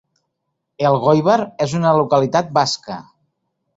Elgoibar és una localitat basca.